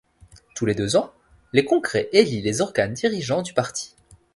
Tous les deux ans, le congrès élit les organes dirigeants du parti.